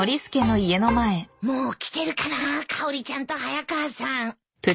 もう来てるかなかおりちゃんと早川さん。